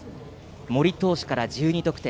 森投手から１２得点。